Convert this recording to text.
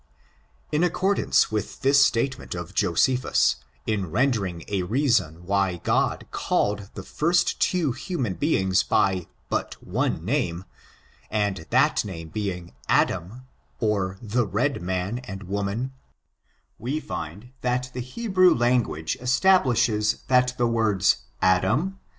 In accordance with this statement of Josephus, in rendering a reason why God called the two first hu man beings by but one name, and that name being Adam, or the red man and woman, we find that the Hebrew language establishes that the words Adam^ ^^■^t^^^k^i^^^^^V^^^^^W^^V